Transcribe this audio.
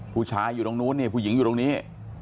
ผู้ชายอยู่ตรงนู้นนี่ผู้หญิงอยู่ตรงนี้